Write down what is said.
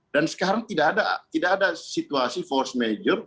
dan sekarang tidak ada situasi force majeur